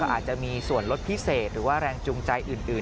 อาจจะมีส่วนลดพิเศษหรือว่าแรงจูงใจอื่น